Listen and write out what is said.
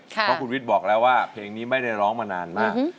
เพราะคุณวิทย์บอกแล้วว่าเพลงนี้ไม่ได้ร้องมานานมาก